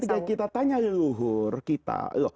ketika kita tanya leluhur kita